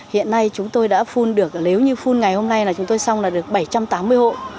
hiện nay chúng tôi đã phun được nếu như phun ngày hôm nay là chúng tôi xong là được bảy trăm tám mươi hộ